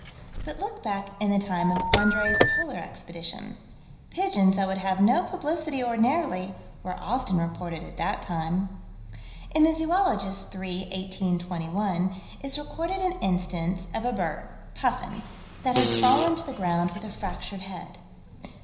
But look back in the time of Andrée's Polar Expedition. Pigeons that would have no publicity ordinarily, were often reported at that time. In the Zoologist, 3 18 21, is recorded an instance of a bird (puffin) that had fallen to the ground with a fractured head.